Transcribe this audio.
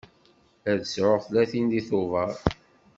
Ad sɛuɣ tlatin deg Tubeṛ.